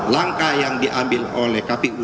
langkah yang diambil oleh kpu